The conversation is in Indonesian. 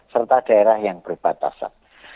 serta daerah yang berbatasan